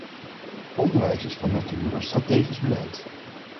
Onderwijs is van nature een strategisch gebied.